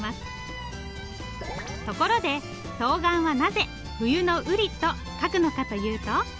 ところで冬瓜はなぜ「冬」の「瓜」と書くのかというと。